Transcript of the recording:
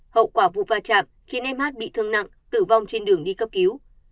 hậu quả vụ va chạm khiến em hát bị thương nặng tử vong trên đường đi cấp cứu